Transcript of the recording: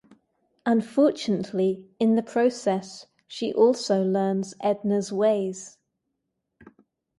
Unfortunately, in the process, she also learns Edna's ways.